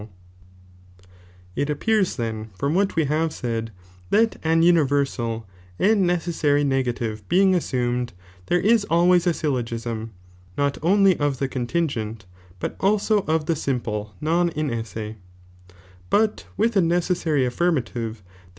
§ It appears then, from what we have said, that an universal, and necessary negative being assumed, there is always a syllogism, not only of the contingent, hut also of the simple 3 ronoimioB non inesse ; but witli a necessary uffirmative, there (Cf.